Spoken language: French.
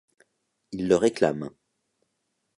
Il le réclame.